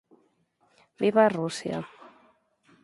Viva Rusia!